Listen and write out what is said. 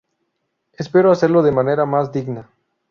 Espero hacerlo de la manera más digna"".